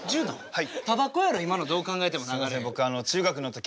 はい。